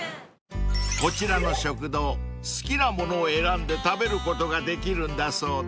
［こちらの食堂好きなものを選んで食べることができるんだそうで］